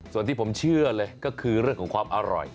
ส่วนที่ผมเชื่อเลยก็คือเรื่องของความอร่อย